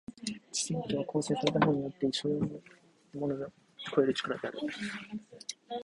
知性とは構成されたものによって所与のものを超える力である。